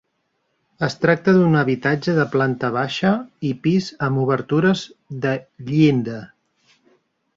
Es tracta d'un habitatge de planta baixa i pis amb obertures de llinda.